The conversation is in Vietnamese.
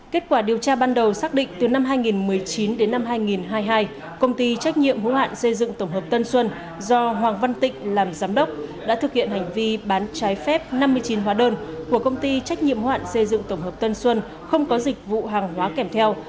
kết quả điều tra ban đầu xác định từ năm hai nghìn một mươi chín đến năm hai nghìn hai mươi hai công ty trách nhiệm hữu hạn xây dựng tổng hợp tân xuân do hoàng văn tịnh làm giám đốc đã thực hiện hành vi bán trái phép năm mươi chín hóa đơn của công ty trách nhiệm hoạn xây dựng tổng hợp tân xuân không có dịch vụ hàng hóa kèm theo